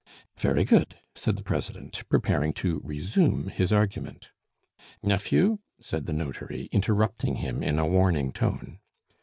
"Very good," said the president, preparing to resume his argument. "Nephew!" said the notary, interrupting him in a warning tone.